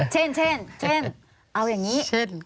เช่นเอาอย่างนี้